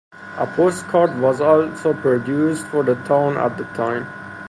A postcard was also produced for the town at the time.